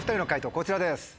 こちらです。